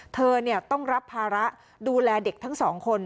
เธอต้องรับภาระดูแลเด็กทั้งสองคน